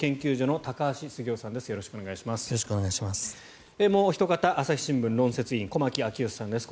もうおひと方朝日新聞論説委員駒木明義さんです。